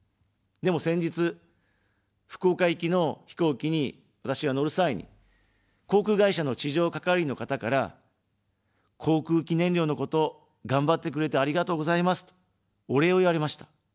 でも、先日、福岡行きの飛行機に私が乗る際に、航空会社の地上係員の方から、航空機燃料のことがんばってくれてありがとうございますと、お礼を言われました。